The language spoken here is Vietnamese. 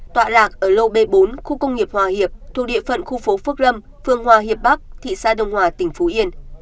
tọa lạc ở lâu b bốn khu công nghiệp hòa hiệp thuộc địa phận khu phố phước lâm phường hòa hiệp bắc thị xa đồng hòa tỉnh phú yên